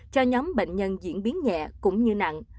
cho nhóm bệnh nhân diễn biến nhẹ cũng như nặng